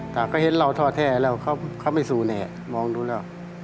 แต่ก็เห็นเราท่อแท้แล้วเขาไม่สู้แน่มองดูแล้ว